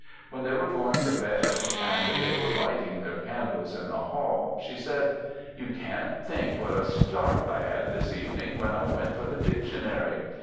When they were going to bed, and they were lighting their candles in the hall, she said, 'you can't think what a start I had this evening when I went for the dictionary.